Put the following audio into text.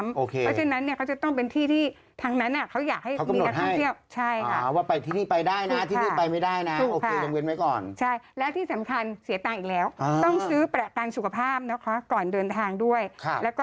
เพราะฉะนั้นเนี่ยเขาจะต้องเป็นที่ที่ทางนั้นเขาอยากให้มีนักท่องเที่ยว